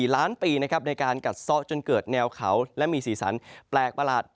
๒๔ล้านปีในการกัดซ้อจนเกิดแนวเขาและมีสีสันแปลกลาด